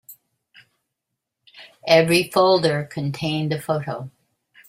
Every folder contained a photo.